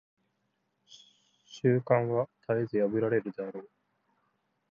習慣は絶えず破られるであろう。